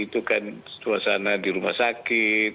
itu kan suasana di rumah sakit